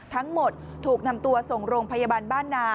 ทั้งหมดถูกนำตัวส่งโรงพยาบาลบ้านนา